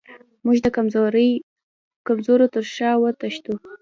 موږ د کمزورو تر شا وتښتو.